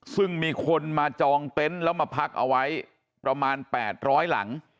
ซึ่งมีคนมาจองเต็นต์แล้วมาพักเอาไว้ประมาณ๘๐๐หลัง